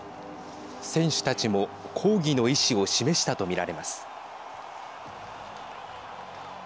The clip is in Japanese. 選手たちも抗議の意思を示したと見られます。